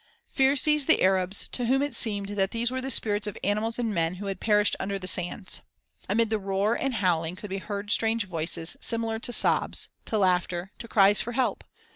Fear seized the Arabs, to whom it seemed that these were the spirits of animals and men who had perished under the sands. Amid the roar and howling could be heard strange voices similar to sobs, to laughter, to cries for help.